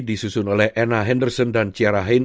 disusun oleh anna henderson dan ciara hain